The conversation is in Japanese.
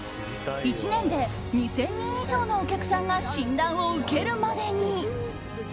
１年で２０００人以上のお客さんが診断を受けるまでに。